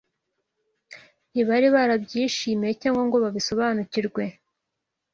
ntibari barabyishimiye cyangwa ngo babisobanukirwe